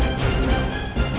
ketemu di kantor